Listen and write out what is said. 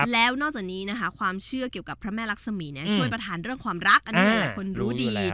แล้วนอกจากนี้นะคะความเชื่อเกี่ยวกับพระแม่รักษมีช่วยประธานเรื่องความรักอันนี้หลายคนรู้ดี